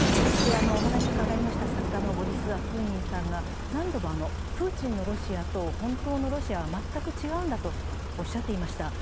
お話を伺いました作家のボリス・アクーニンさんが、プーチンのロシアと「本当のロシア」は全く違うんだとおっしゃっていました。